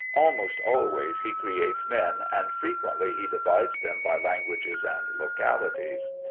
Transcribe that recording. Almost always he creates men, and frequently he divides them by languages and localities.